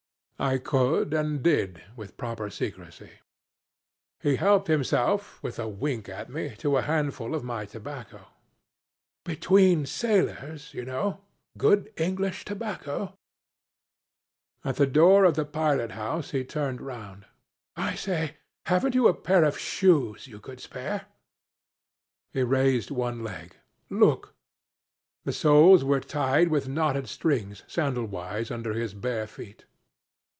I could, and did, with proper secrecy. He helped himself, with a wink at me, to a handful of my tobacco. 'Between sailors you know good English tobacco.' At the door of the pilot house he turned round ' I say, haven't you a pair of shoes you could spare?' He raised one leg. 'Look.' The soles were tied with knotted strings sandal wise under his bare feet.